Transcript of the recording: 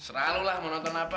serah lu lah mau nonton apa